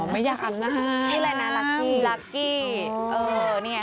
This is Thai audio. ไม่อยากอับน้ำ